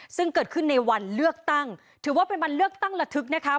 ซึ่งเกิดขึ้นในวันเลือกตั้งถือว่าเป็นวันเลือกตั้งระทึกนะคะ